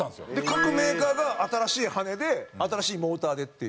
各メーカーが新しい羽根で新しいモーターでっていう。